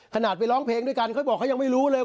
ขนาดไปร้องเพลงด้วยกันเขาบอกเขายังไม่รู้เลย